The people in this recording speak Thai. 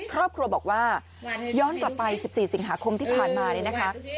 ครอบครัวบอกว่าย้อนกลับไป๑๔สิงหาคมที่ผ่านมาเนี่ยนะคะ